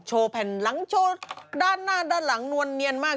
แผ่นหลังโชว์ด้านหน้าด้านหลังนวลเนียนมาก